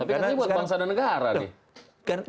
tapi kan ini buat bangsa dan negara nih